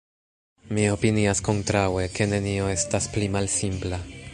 Mi opinias kontraŭe, ke nenio estas pli malsimpla.